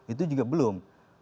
itu juga belum